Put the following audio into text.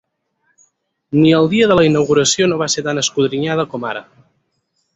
Ni el dia de la inauguració no va ser tan escodrinyada com ara.